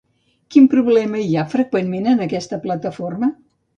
Quin problema hi ha, freqüentment, en aquesta plataforma?